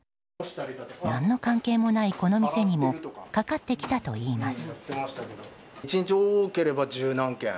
何の関係もないこの店にもかかってきたといいます。